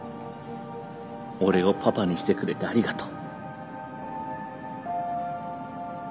俺をパパにしてくれてありがとう